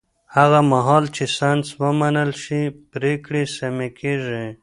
هغه مهال چې ساینس ومنل شي، پرېکړې سمې کېږي.